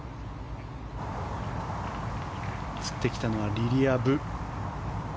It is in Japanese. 映ってきたのはリリア・ブ。